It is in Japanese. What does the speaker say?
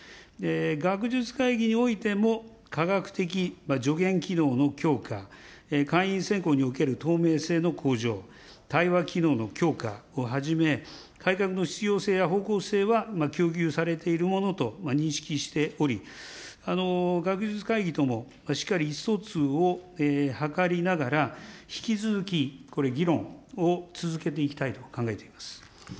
学術会議においても、科学的助言機能の強化、会員選考における透明性の向上、対話機能の強化をはじめ、改革の必要性や方向性は供給されているものと認識しており、学術会議ともしっかり意思疎通を図りながら、引き続きこれ、議論を続けていきたいと考えています。